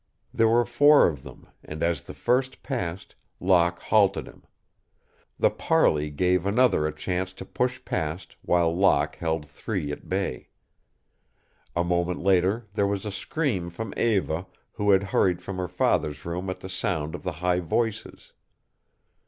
There were four of them, and as the first passed, Locke halted him. The parley gave another a chance to push past, while Locke held three at bay. A moment later there was a scream from Eva, who had hurried from her father's room at the sound of the high voices.